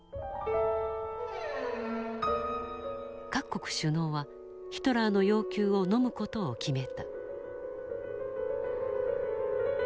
各国首脳はヒトラーの要求をのむ事を決めた。